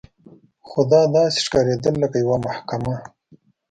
خو دا داسې ښکارېدل لکه یوه محکمه.